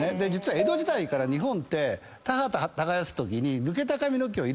江戸時代から日本って田畑耕すときに。